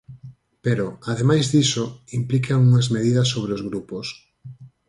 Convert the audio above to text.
Pero, ademais diso, implican unhas medidas sobre os grupos.